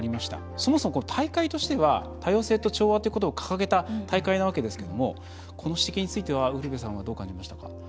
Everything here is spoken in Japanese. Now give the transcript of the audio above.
そもそも、大会としては多様性と調和ということを掲げた大会なわけですけどもこの指摘についてウルヴェさんはどう感じましたか？